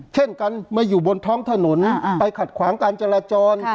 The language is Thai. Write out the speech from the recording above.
เช่นกันมาอยู่บนท้องถนนไปขัดขวางการจราจร